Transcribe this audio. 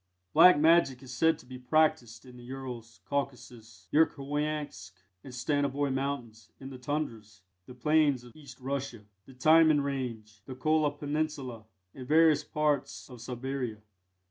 Black Magic is said to be practised in the Urals, Caucasus, Yerkhoiansk, and Stanovoi Mountains; in the Tundras, the Plains of East Russia, the Timan Range, the Kola Peninsula, and various parts of Siberia.